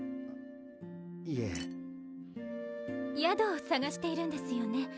いえ宿をさがしているんですよね？